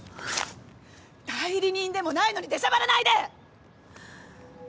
代理人でもないのにでしゃばらないで！